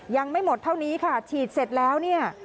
ยังไม่หมดเท่านี้ค่ะฉีดเสร็จแล้วเนี่ย